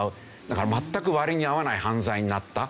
だから全く割に合わない犯罪になった。